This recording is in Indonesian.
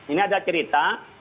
ini ada cerita